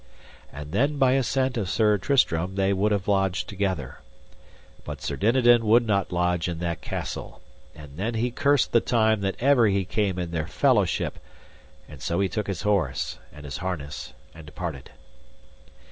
And then by assent of Sir Tristram they would have lodged together. But Sir Dinadan would not lodge in that castle. And then he cursed the time that ever he came in their fellowship, and so he took his horse, and his harness, and departed.